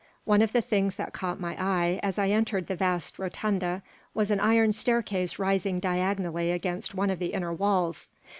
One of the things that caught my eye as I entered the vast rotunda was an iron staircase rising diagonally against one of the inner walls.